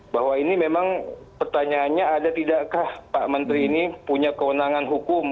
bahwa ini memang pertanyaannya ada tidakkah pak menteri ini punya kewenangan hukum